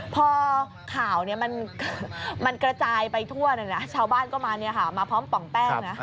พอข่าวมันกระจายไปทั่วเลยนะชาวบ้านก็มาพร้อมป่องแป้งนะ